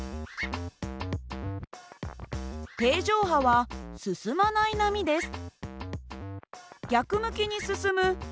定常波は進まない波です。